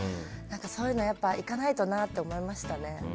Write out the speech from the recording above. そういうの行かないとなって思いましたね。